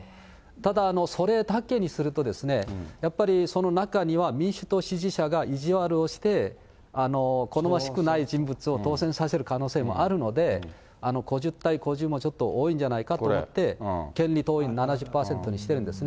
ただ、それだけにすると、やっぱりその中には、民主党支持者が意地悪をして、好ましくない人物を当選させる可能性もあるので、５０対５０もちょっと多いんじゃないかといって、権利党員７０％にしてるんですね。